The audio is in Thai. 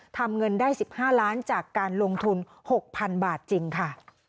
ทำเงินได้๑๕ล้านจากการลงทุน๖๐๐๐บาทจริงค่ะ